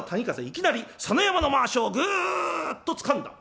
いきなり佐野山のまわしをぐっとつかんだ。